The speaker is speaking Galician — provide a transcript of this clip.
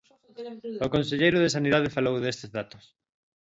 O conselleiro de Sanidade falou destes datos.